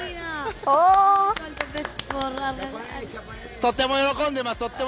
とても喜んでます。